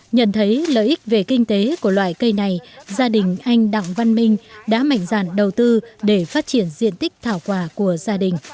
nhận thấy lợi ích về kinh tế của loại cây này gia đình anh đặng văn minh đã mạnh dạn đầu tư để phát triển diện tích thảo quả của gia đình